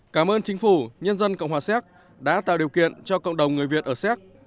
cảm ơn chính phủ nhân dân cộng hòa xéc đã tạo điều kiện cho cộng đồng người việt ở séc